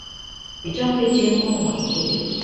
比較會監控網路